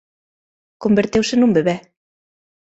Converteuse nun bebé.